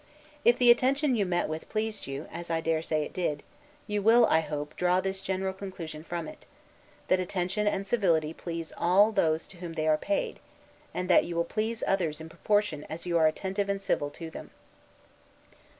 If the attention you met with pleased you, as I dare say it did, you will, I hope, draw this general conclusion from it, that attention and civility please all those to whom they are paid; and that you will please others in proportion as you are attentive and civil to them.